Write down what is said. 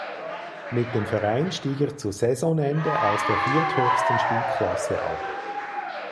Mit dem Verein stieg er zu Saisonende aus der vierthöchsten Spielklasse ab.